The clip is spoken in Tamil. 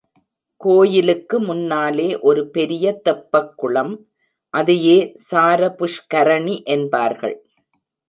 கோயிலுக்கு முன்னாலே ஒரு பெரிய தெப்பக் குளம், அதையே சார புஷ்கரணி என்பார்கள்.